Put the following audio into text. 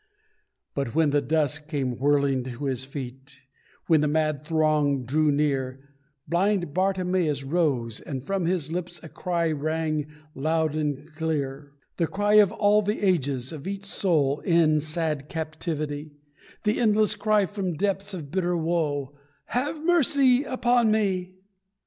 But when the dust came whirling to his feet When the mad throng drew near Blind Bartimeus rose, and from his lips A cry rang loud and clear The cry of all the ages, of each soul In sad captivity; The endless cry from depths of bitter woe "Have mercy upon me!"